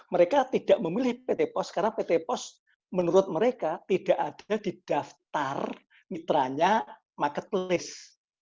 mereka tidak memilih pt pos karena pt pos menurut mereka tidak ada di daftar mitranya marketplace